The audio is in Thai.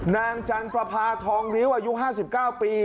นางจันประพาทองริ้วอายุ๕๙ปี